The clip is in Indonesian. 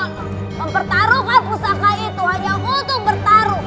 mempertaruhkan pusaka itu hanya untuk bertaruh